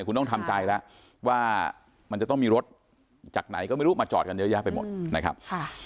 คุณต้องทำใจแล้วว่ามันจะต้องมีรถจากไหนก็ไม่รู้มาจอดกันเยอะแยะไปหมดนะครับ